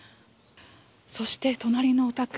そして、隣のお宅